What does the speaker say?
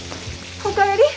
お帰り。